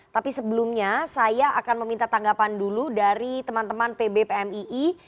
tapi sebelumnya saya akan meminta tanggapan dulu dari teman teman pb pmii